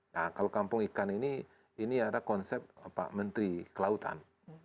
nah kalau kampung ikan ini ini ada konsep pak menteri kelautan